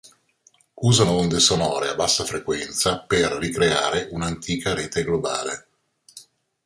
Usano onde sonore a bassa frequenza per ricreare un'antica rete globale.